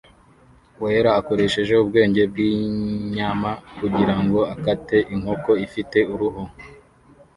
wera akoresha ubwenge bwinyama kugirango akate inkoko ifite uruhu